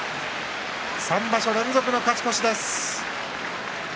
３場所連続の勝ち越しです。